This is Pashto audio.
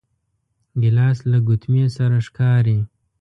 ګیلاس له ګوتمې سره ښکاري.